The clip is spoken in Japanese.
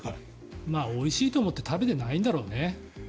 おいしいと思って食べてないんだろうね。